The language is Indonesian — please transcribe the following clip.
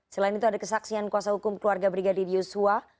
selain itu ada kesaksian kuasa hukum keluarga brigadir yosua